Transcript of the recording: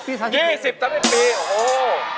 ๒๐ปี๑๓ปีโอ้โฮ